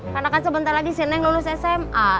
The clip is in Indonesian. karena kan sebentar lagi si neng lulus sma